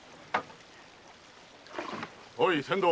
おい船頭。